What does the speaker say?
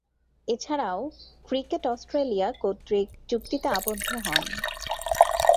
এছাড়াও, cricket Australia কর্তৃক চুক্তিতে আবদ্ধ হন।